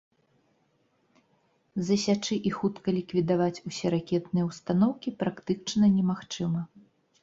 Засячы і хутка ліквідаваць усе ракетныя ўстаноўкі практычна немагчыма.